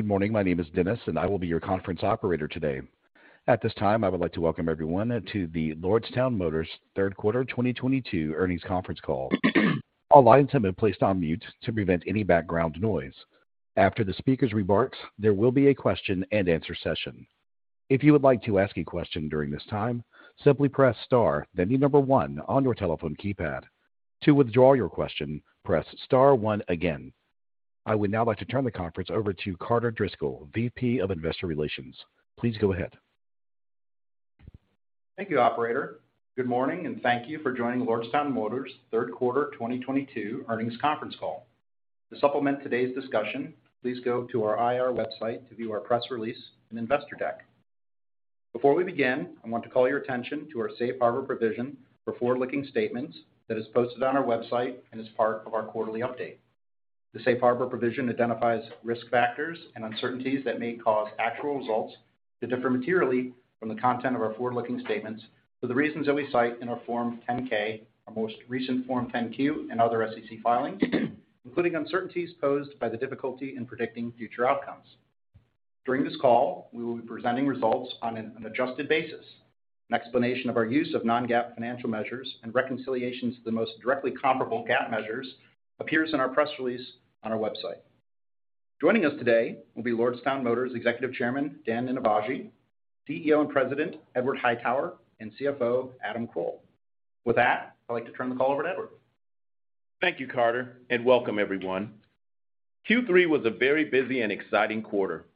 Good morning. My name is Dennis, and I will be your conference operator today. At this time, I would like to welcome everyone to the Lordstown Motors third quarter 2022 earnings conference call. All lines have been placed on mute to prevent any background noise. After the speaker's remarks, there will be a question-and-answer session. If you would like to ask a question during this time, simply press star, then the number 1 on your telephone keypad. To withdraw your question, press star 1 again. I would now like to turn the conference over to Carter Driscoll, VP of Investor Relations. Please go ahead. Thank you, operator. Good morning, and thank you for joining Lordstown Motors third quarter 2022 earnings conference call. To supplement today's discussion, please go to our IR website to view our press release and investor deck. Before we begin, I want to call your attention to our safe harbor provision for forward-looking statements that is posted on our website and is part of our quarterly update. The safe harbor provision identifies risk factors and uncertainties that may cause actual results to differ materially from the content of our forward-looking statements for the reasons that we cite in our Form 10-K, our most recent Form 10-Q, and other SEC filings, including uncertainties posed by the difficulty in predicting future outcomes. During this call, we will be presenting results on an adjusted basis. An explanation of our use of non-GAAP financial measures and reconciliations to the most directly comparable GAAP measures appears in our press release on our website. Joining us today will be Lordstown Motors Executive Chairman, Daniel Ninivaggi, CEO and President, Edward Hightower, and CFO, Adam Kroll. With that, I'd like to turn the call over to Edward. Thank you, Carter, and welcome everyone. Q3 was a very busy and exciting quarter.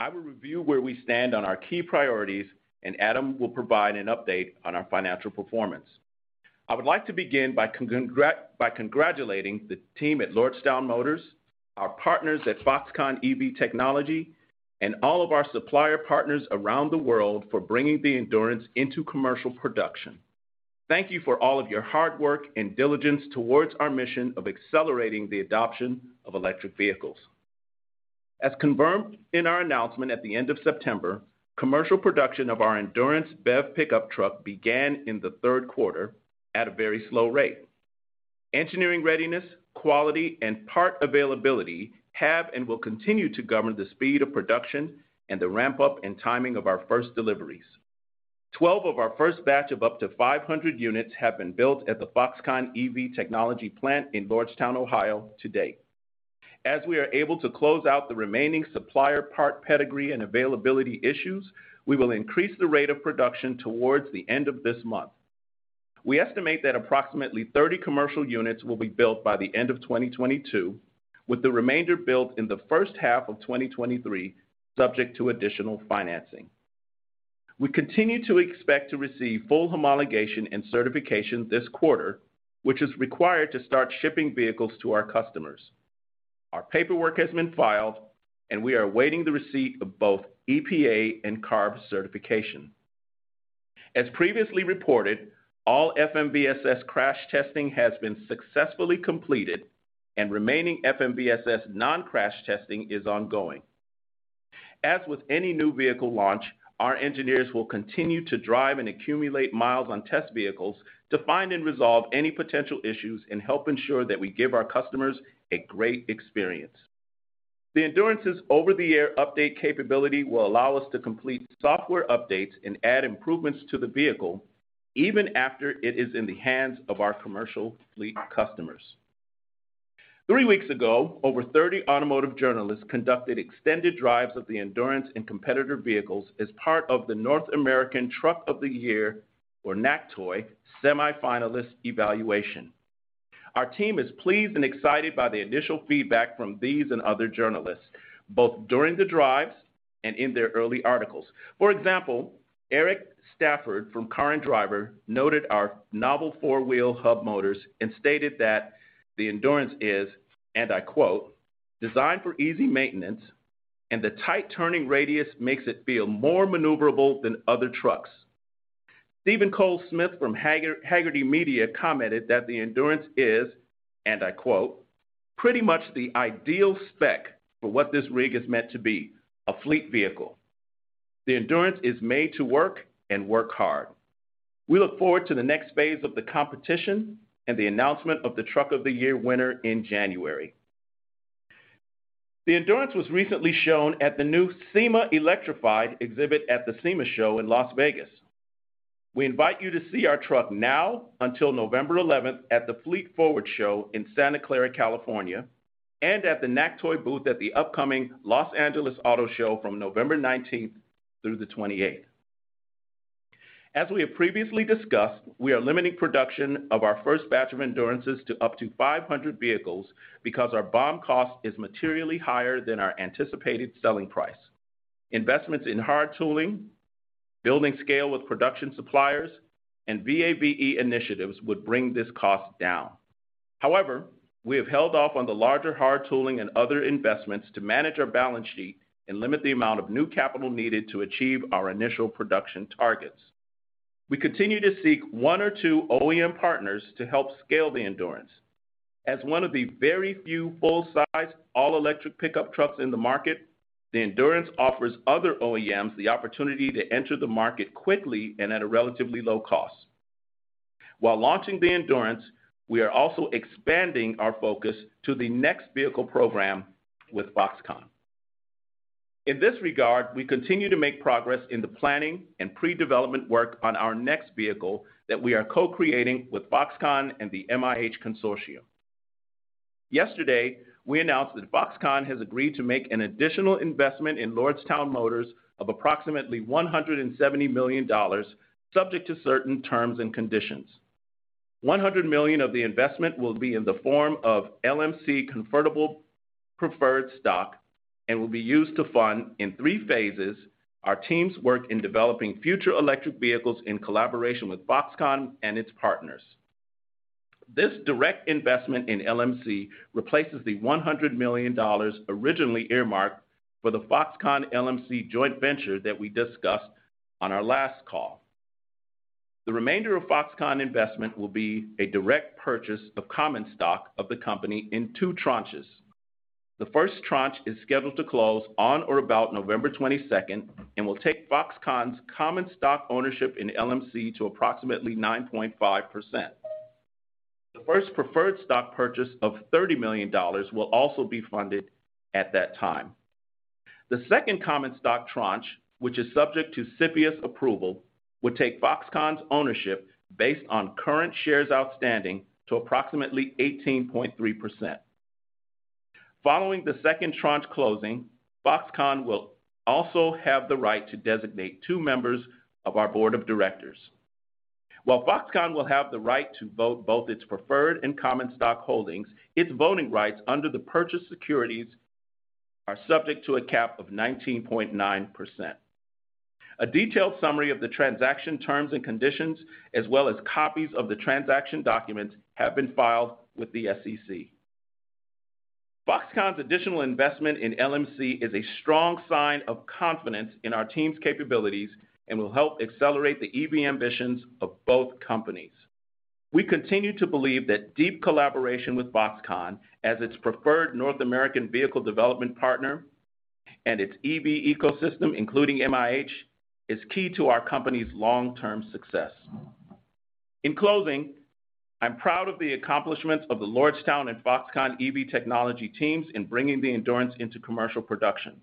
I will review where we stand on our key priorities, and Adam will provide an update on our financial performance. I would like to begin by congratulating the team at Lordstown Motors, our partners at Foxconn EV Technology, and all of our supplier partners around the world for bringing the Endurance into commercial production. Thank you for all of your hard work and diligence towards our mission of accelerating the adoption of electric vehicles. As confirmed in our announcement at the end of September, commercial production of our Endurance BEV pickup truck began in the third quarter at a very slow rate. Engineering readiness, quality, and part availability have and will continue to govern the speed of production and the ramp-up and timing of our first deliveries. 12 of our first batch of up to 500 units have been built at the Foxconn EV Technology plant in Lordstown, Ohio to date. As we are able to close out the remaining supplier part pedigree and availability issues, we will increase the rate of production towards the end of this month. We estimate that approximately 30 commercial units will be built by the end of 2022, with the remainder built in the first half of 2023, subject to additional financing. We continue to expect to receive full homologation and certification this quarter, which is required to start shipping vehicles to our customers. Our paperwork has been filed, and we are awaiting the receipt of both EPA and CARB certification. As previously reported, all FMVSS crash testing has been successfully completed and remaining FMVSS non-crash testing is ongoing. As with any new vehicle launch, our engineers will continue to drive and accumulate miles on test vehicles to find and resolve any potential issues and help ensure that we give our customers a great experience. The Endurance's over-the-air update capability will allow us to complete software updates and add improvements to the vehicle even after it is in the hands of our commercial fleet customers. 3 weeks ago, over 30 automotive journalists conducted extended drives of the Endurance and competitor vehicles as part of the North American Truck of the Year, or NACTOY, semifinalist evaluation. Our team is pleased and excited by the initial feedback from these and other journalists, both during the drives and in their early articles. For example, Eric Stafford from Car and Driver noted our novel four-wheel hub motors and stated that the Endurance is, and I quote, "Designed for easy maintenance, and the tight turning radius makes it feel more maneuverable than other trucks." Steven Cole Smith from Hagerty Media commented that the Endurance is, and I quote, "Pretty much the ideal spec for what this rig is meant to be, a fleet vehicle. The Endurance is made to work and work hard." We look forward to the next phase of the competition and the announcement of the Truck of the Year winner in January. The Endurance was recently shown at the new SEMA Electrified exhibit at the SEMA show in Las Vegas. We invite you to see our truck now until November eleventh at the Fleet Forward show in Santa Clara, California, and at the NACTOY booth at the upcoming Los Angeles Auto Show from November nineteenth through the twenty-eighth. As we have previously discussed, we are limiting production of our first batch of Endurances to up to 500 vehicles because our BOM cost is materially higher than our anticipated selling price. Investments in hard tooling, building scale with production suppliers, and VAVE initiatives would bring this cost down. However, we have held off on the larger hard tooling and other investments to manage our balance sheet and limit the amount of new capital needed to achieve our initial production targets. We continue to seek one or two OEM partners to help scale the Endurance. As one of the very few full-size all-electric pickup trucks in the market, the Endurance offers other OEMs the opportunity to enter the market quickly and at a relatively low cost. While launching the Endurance, we are also expanding our focus to the next vehicle program with Foxconn. In this regard, we continue to make progress in the planning and pre-development work on our next vehicle that we are co-creating with Foxconn and the MIH Consortium. Yesterday, we announced that Foxconn has agreed to make an additional investment in Lordstown Motors of approximately $170 million, subject to certain terms and conditions. $100 million of the investment will be in the form of LMC convertible preferred stock and will be used to fund, in three phases, our team's work in developing future electric vehicles in collaboration with Foxconn and its partners. This direct investment in LMC replaces the $100 million originally earmarked for the Foxconn-LMC joint venture that we discussed on our last call. The remainder of Foxconn investment will be a direct purchase of common stock of the company in two tranches. The first tranche is scheduled to close on or about November 22 and will take Foxconn's common stock ownership in LMC to approximately 9.5%. The first preferred stock purchase of $30 million will also be funded at that time. The second common stock tranche, which is subject to CFIUS approval, would take Foxconn's ownership based on current shares outstanding to approximately 18.3%. Following the second tranche closing, Foxconn will also have the right to designate two members of our board of directors. While Foxconn will have the right to vote both its preferred and common stock holdings, its voting rights under the purchased securities are subject to a cap of 19.9%. A detailed summary of the transaction terms and conditions, as well as copies of the transaction documents, have been filed with the SEC. Foxconn's additional investment in LMC is a strong sign of confidence in our team's capabilities and will help accelerate the EV ambitions of both companies. We continue to believe that deep collaboration with Foxconn as its preferred North American vehicle development partner and its EV ecosystem, including MIH, is key to our company's long-term success. In closing, I'm proud of the accomplishments of the Lordstown and Foxconn EV Technology teams in bringing the Endurance into commercial production.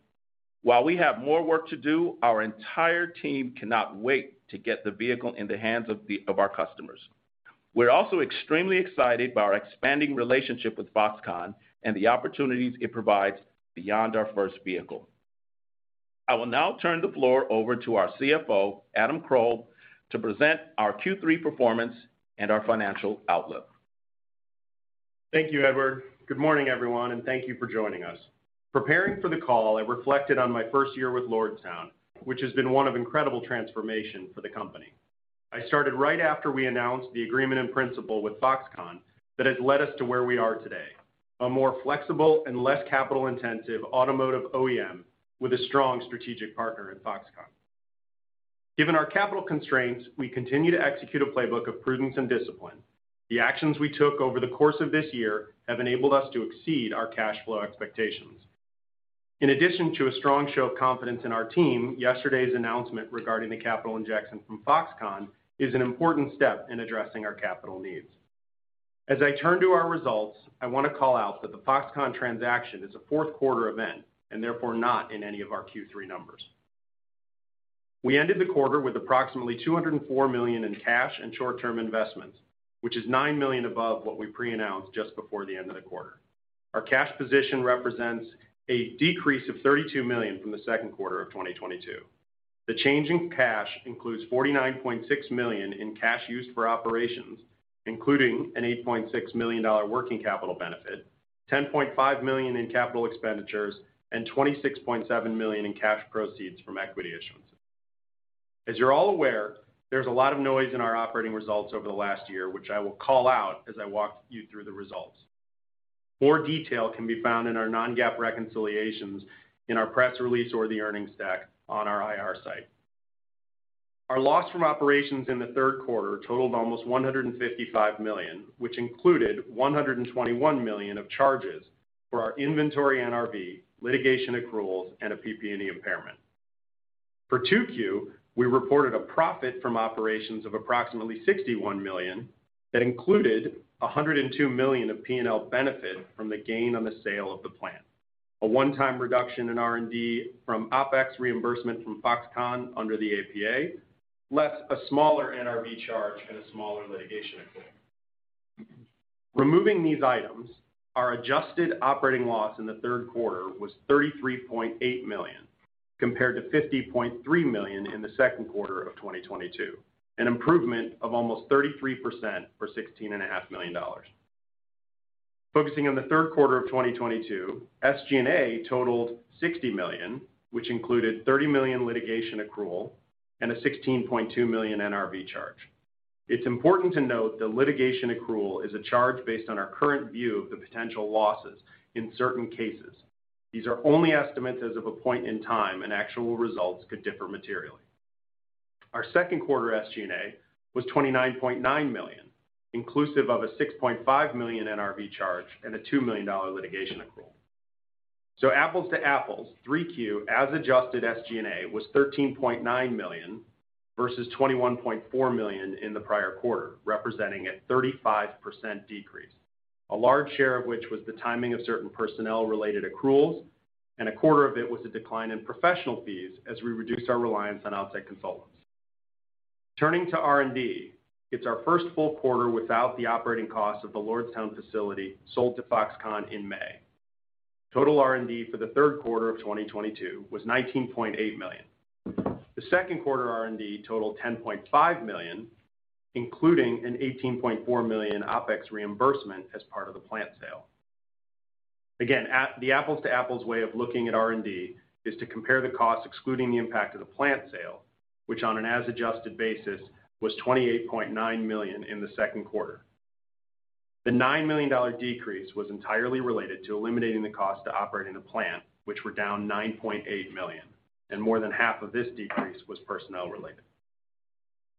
While we have more work to do, our entire team cannot wait to get the vehicle in the hands of our customers. We're also extremely excited by our expanding relationship with Foxconn and the opportunities it provides beyond our first vehicle. I will now turn the floor over to our CFO, Adam Kroll, to present our Q3 performance and our financial outlook. Thank you, Edward. Good morning, everyone, and thank you for joining us. Preparing for the call, I reflected on my first year with Nu Ride, which has been one of incredible transformation for the company. I started right after we announced the agreement in principle with Foxconn that has led us to where we are today, a more flexible and less capital-intensive automotive OEM with a strong strategic partner in Foxconn. Given our capital constraints, we continue to execute a playbook of prudence and discipline. The actions we took over the course of this year have enabled us to exceed our cash flow expectations. In addition to a strong show of confidence in our team, yesterday's announcement regarding the capital injection from Foxconn is an important step in addressing our capital needs. As I turn to our results, I wanna call out that the Foxconn transaction is a fourth quarter event and therefore not in any of our Q3 numbers. We ended the quarter with approximately $204 million in cash and short-term investments, which is $9 million above what we pre-announced just before the end of the quarter. Our cash position represents a decrease of $32 million from the second quarter of 2022. The change in cash includes $49.6 million in cash used for operations, including an $8.6 million working capital benefit, $10.5 million in capital expenditures, and $26.7 million in cash proceeds from equity issuance. As you're all aware, there's a lot of noise in our operating results over the last year, which I will call out as I walk you through the results. More detail can be found in our non-GAAP reconciliations in our press release or the earnings deck on our IR site. Our loss from operations in the third quarter totaled almost $155 million, which included $121 million of charges for our inventory NRV, litigation accruals, and a PP&E impairment. For 2Q, we reported a profit from operations of approximately $61 million. That included $102 million of P&L benefit from the gain on the sale of the plant, a one-time reduction in R&D from OpEx reimbursement from Foxconn under the APA, less a smaller NRV charge and a smaller litigation accrual. Removing these items, our adjusted operating loss in the third quarter was $33.8 million compared to $50.3 million in the second quarter of 2022, an improvement of almost 33% for $16.5 million. Focusing on the third quarter of 2022, SG&A totaled $60 million, which included $30 million litigation accrual and a $16.2 million NRV charge. It's important to note that litigation accrual is a charge based on our current view of the potential losses in certain cases. These are only estimates as of a point in time and actual results could differ materially. Our second quarter SG&A was $29.9 million, inclusive of a $6.5 million NRV charge and a $2 million litigation accrual. Apples to apples, 3Q, as adjusted SG&A was $13.9 million versus $21.4 million in the prior quarter, representing a 35% decrease, a large share of which was the timing of certain personnel related accruals, and a quarter of it was a decline in professional fees as we reduced our reliance on outside consultants. Turning to R&D. It's our first full quarter without the operating cost of the Lordstown facility sold to Foxconn in May. Total R&D for the third quarter of 2022 was $19.8 million. The second quarter R&D totaled $10.5 million, including an $18.4 million OpEx reimbursement as part of the plant sale. Again, the apples to apples way of looking at R&D is to compare the costs excluding the impact of the plant sale, which on an as adjusted basis was $28.9 million in the second quarter. The $9 million decrease was entirely related to eliminating the costs of operating the plant, which were down $9.8 million, and more than half of this decrease was personnel related.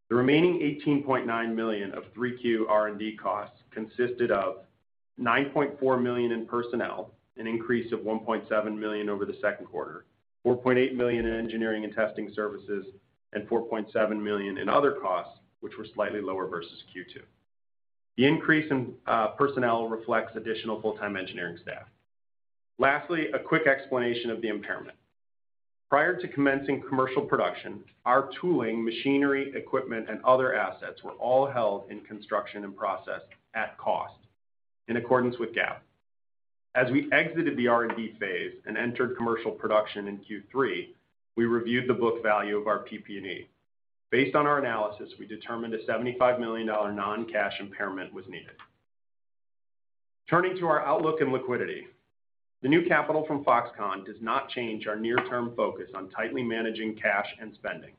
The remaining $18.9 million of 3Q R&D costs consisted of $9.4 million in personnel, an increase of $1.7 million over the second quarter, $4.8 million in engineering and testing services, and $4.7 million in other costs, which were slightly lower versus Q2. The increase in personnel reflects additional full-time engineering staff. Lastly, a quick explanation of the impairment. Prior to commencing commercial production, our tooling, machinery, equipment, and other assets were all held in construction and process at cost in accordance with GAAP. As we exited the R&D phase and entered commercial production in Q3, we reviewed the book value of our PP&E. Based on our analysis, we determined a $75 million non-cash impairment was needed. Turning to our outlook and liquidity. The new capital from Foxconn does not change our near-term focus on tightly managing cash and spending.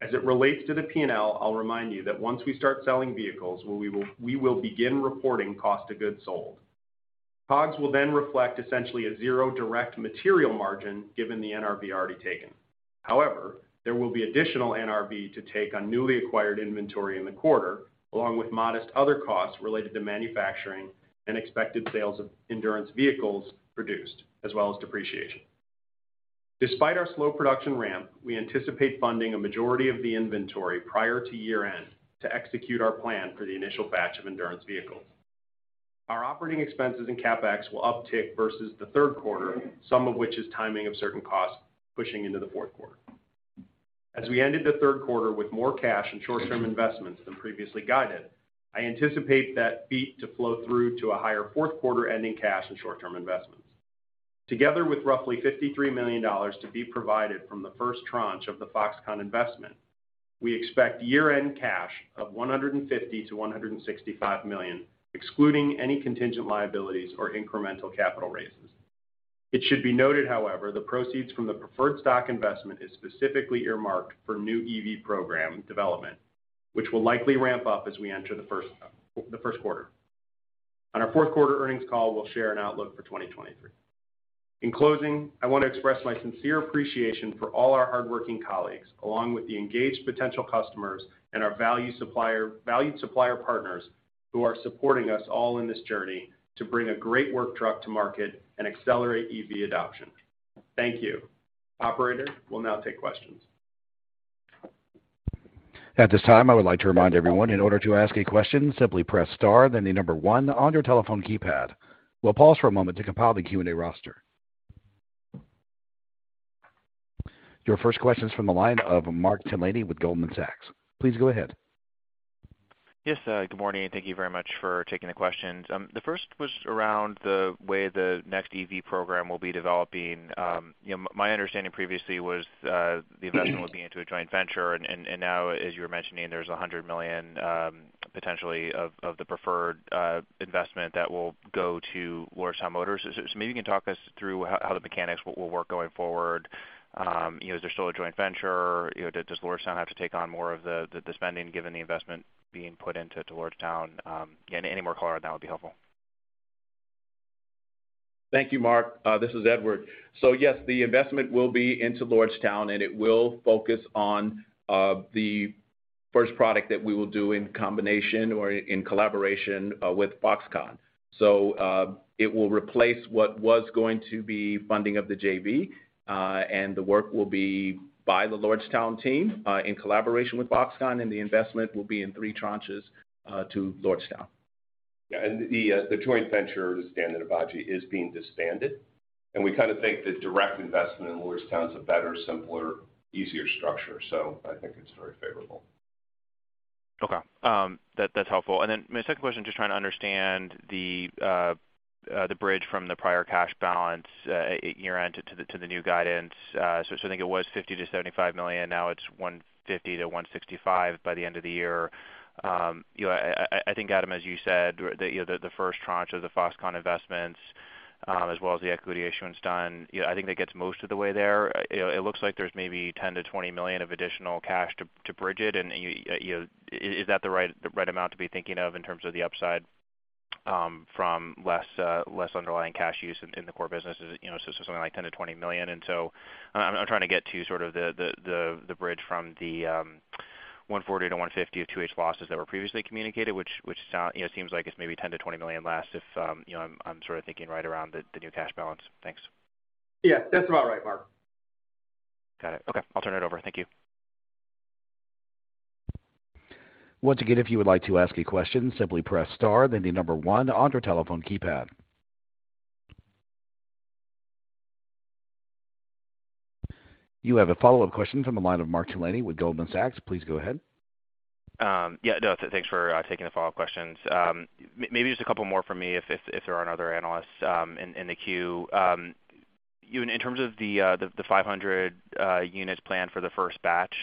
As it relates to the P&L, I'll remind you that once we start selling vehicles, we will begin reporting cost of goods sold. COGS will then reflect essentially a zero direct material margin given the NRV already taken. However, there will be additional NRV to take on newly acquired inventory in the quarter, along with modest other costs related to manufacturing and expected sales of Endurance vehicles produced, as well as depreciation. Despite our slow production ramp, we anticipate funding a majority of the inventory prior to year-end to execute our plan for the initial batch of Endurance vehicles. Our operating expenses in CapEx will uptick versus the third quarter, some of which is timing of certain costs pushing into the fourth quarter. As we ended the third quarter with more cash and short-term investments than previously guided, I anticipate that beat to flow through to a higher fourth quarter ending cash and short-term investments. Together with roughly $53 million to be provided from the first tranche of the Foxconn investment, we expect year-end cash of $150-$165 million, excluding any contingent liabilities or incremental capital raises. It should be noted, however, the proceeds from the preferred stock investment is specifically earmarked for new EV program development, which will likely ramp up as we enter the first quarter. On our fourth quarter earnings call, we'll share an outlook for 2023. In closing, I wanna express my sincere appreciation for all our hardworking colleagues, along with the engaged potential customers and our valued supplier partners who are supporting us all in this journey to bring a great work truck to market and accelerate EV adoption. Thank you. Operator, we'll now take questions. At this time, I would like to remind everyone, in order to ask a question, simply press star then 1 on your telephone keypad. We'll pause for a moment to compile the Q&A roster. Your first question is from the line of Mark Delaney with Goldman Sachs. Please go ahead. Yes, good morning, and thank you very much for taking the questions. The first was around the way the next EV program will be developing. You know, my understanding previously was the investment would be into a joint venture, and now as you were mentioning, there's $100 million potentially of the preferred investment that will go to Lordstown Motors. So maybe you can talk us through how the mechanics will work going forward. You know, is there still a joint venture? You know, does Lordstown have to take on more of the spending given the investment being put into Lordstown? Again, any more color on that would be helpful. Thank you, Mark. This is Edward. Yes, the investment will be into Lordstown, and it will focus on the first product that we will do in combination or in collaboration with Foxconn. It will replace what was going to be funding of the JV, and the work will be by the Lordstown team in collaboration with Foxconn, and the investment will be in three tranches to Lordstown. Yeah. The joint venture in Ohio is being disbanded. We kinda think the direct investment in Lordstown is a better, simpler, easier structure, so I think it's very favorable. Okay. That's helpful. My second question, just trying to understand the bridge from the prior cash balance year-end to the new guidance. I think it was $50-$75 million. Now it's $150-$165 million by the end of the year. You know, I think, Adam, as you said, you know, the first tranche of the Foxconn investments, as well as the equity issuance done, you know, I think that gets most of the way there. You know, it looks like there's maybe $10-$20 million of additional cash to bridge it. You know, is that the right amount to be thinking of in terms of the upside from less underlying cash use in the core business? You know, something like $10-20 million. I'm trying to get to sort of the bridge from the $140-$150 of 2H losses that were previously communicated, which sounds like it's maybe $10-20 million less if, you know, I'm sort of thinking right around the new cash balance. Thanks. Yes, that's about right, Mark. Got it. Okay, I'll turn it over. Thank you. Once again, if you would like to ask a question, simply press star then the number one on your telephone keypad. You have a follow-up question from the line of Mark Delaney with Goldman Sachs. Please go ahead. Yeah, no, thanks for taking the follow-up questions. Maybe just a couple more from me if there aren't other analysts in the queue. Euan, in terms of the 500 units planned for the first batch,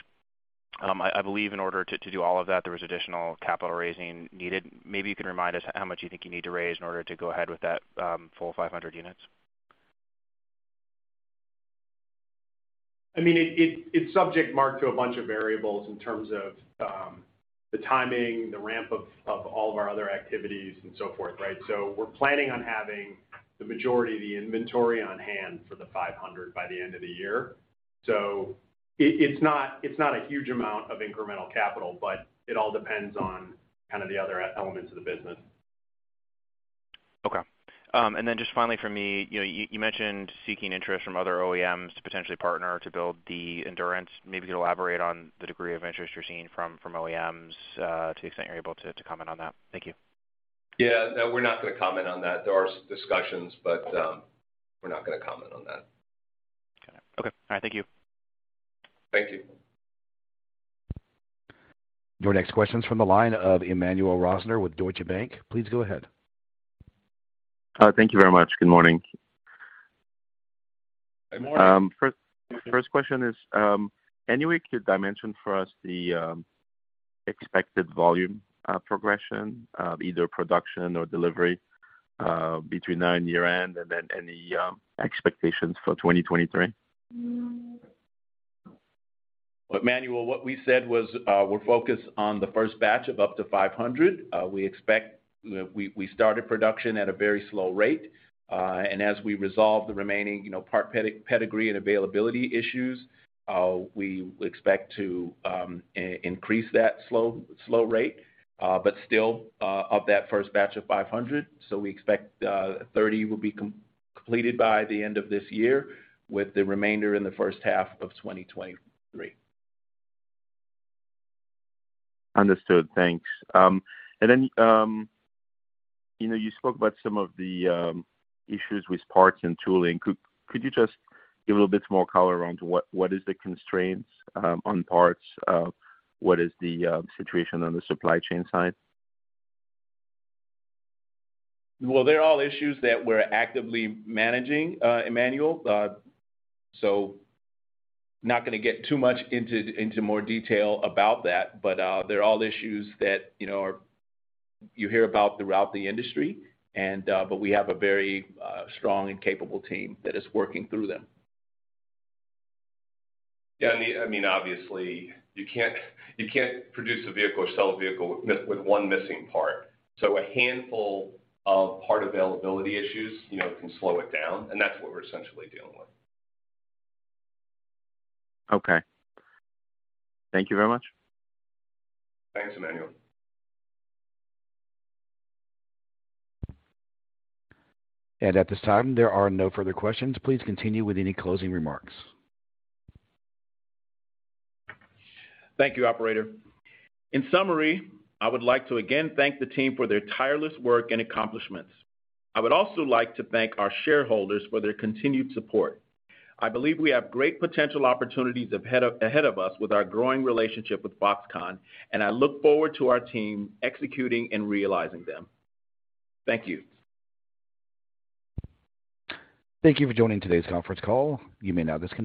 I believe in order to do all of that, there was additional capital raising needed. Maybe you can remind us how much you think you need to raise in order to go ahead with that full 500 units. I mean, it's subject, Mark, to a bunch of variables in terms of the timing, the ramp of all of our other activities and so forth, right? We're planning on having the majority of the inventory on hand for the 500 by the end of the year. It's not a huge amount of incremental capital, but it all depends on kind of the other elements of the business. Okay. Just finally from me, you know, you mentioned seeking interest from other OEMs to potentially partner to build the Endurance. Maybe you could elaborate on the degree of interest you're seeing from OEMs, to the extent you're able to comment on that. Thank you. Yeah. No, we're not gonna comment on that. There are some discussions, but we're not gonna comment on that. Okay. All right. Thank you. Thank you. Your next question's from the line of Emmanuel Rosner with Deutsche Bank. Please go ahead. Thank you very much. Good morning. Good morning. First question is, anyway could dimension for us the expected volume progression, either production or delivery, between now and year-end, and then any expectations for 2023? Emmanuel, what we said was, we're focused on the first batch of up to 500. We expect. We started production at a very slow rate. As we resolve the remaining, you know, part pedigree and availability issues, we expect to increase that slow rate, but still of that first batch of 500. We expect, 30 will be completed by the end of this year with the remainder in the first half of 2023. Understood. Thanks. You know, you spoke about some of the issues with parts and tooling. Could you just give a little bit more color around what is the constraints on parts? What is the situation on the supply chain side? Well, they're all issues that we're actively managing, Emmanuel. Not gonna get too much into more detail about that, but they're all issues that, you know, you hear about throughout the industry. We have a very strong and capable team that is working through them. Yeah, I mean, obviously you can't produce a vehicle or sell a vehicle with one missing part. A handful of part availability issues, you know, can slow it down, and that's what we're essentially dealing with. Okay. Thank you very much. Thanks, Emmanuel. At this time, there are no further questions. Please continue with any closing remarks. Thank you, operator. In summary, I would like to again thank the team for their tireless work and accomplishments. I would also like to thank our shareholders for their continued support. I believe we have great potential opportunities ahead of us with our growing relationship with Foxconn, and I look forward to our team executing and realizing them. Thank you. Thank you for joining today's conference call. You may now disconnect.